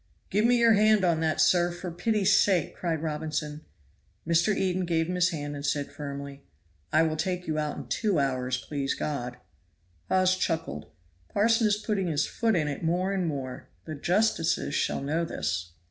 "Give me your hand on that, sir, for pity's sake," cried Robinson. Mr. Eden gave him his hand and said, firmly, "I will take you out in two hours, please God." Hawes chuckled. "Parson is putting his foot in it more and more. The justices shall know this."